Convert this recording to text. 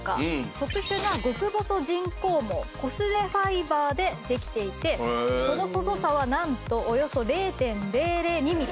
特殊な極細人工毛コスメファイバーでできていてその細さはなんとおよそ０．００２ミリ。